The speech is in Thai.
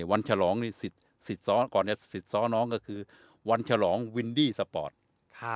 วันฉลองนี่สิทธิ์สิทธิ์ซ้อน้องก็คือวันฉลองวินดี้สปอร์ตครับ